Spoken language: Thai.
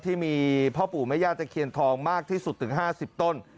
ที่มีพ่อปู่แม่ย่าตะเคียนทองมากที่สุดถึง๕๐ต้น